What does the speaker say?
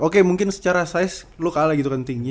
oke mungkin secara size lu kalah gitu kan tinggi